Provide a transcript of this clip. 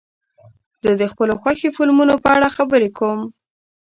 زه د خپلو خوښې فلمونو په اړه خبرې کوم.